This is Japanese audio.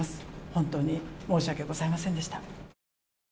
本当に申し訳ございませんでした。